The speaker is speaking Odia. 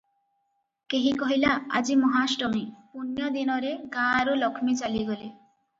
କେହି କହିଲା--ଆଜି ମହାଷ୍ଟମୀ, ପୁଣ୍ୟଦିନରେ ଗାଁରୁ ଲକ୍ଷ୍ମୀ ଚାଲିଗଲେ ।